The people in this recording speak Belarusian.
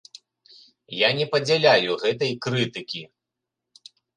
Я не падзяляю гэтай крытыкі.